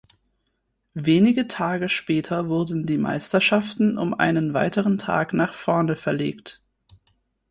Wenige Tage später wurden die Meisterschaften um einen weiteren Tag nach vorne verlegt.